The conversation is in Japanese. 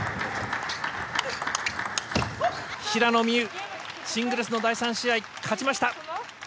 平野美宇、シングルスの第３試合、勝ちました。